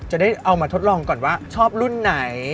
จะได้เอามาทดลองก่อนว่าชอบรุ่นไหน